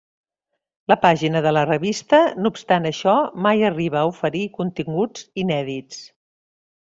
La pàgina de la revista, no obstant això, mai arriba a oferir continguts inèdits.